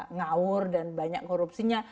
membelanjakannya juga secara ngawur dan banyak korupsinya